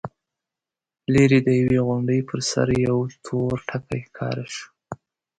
ليرې د يوې غونډۍ پر سر يو تور ټکی ښکاره شو.